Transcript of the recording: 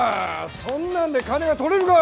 そんなんで金が取れるか。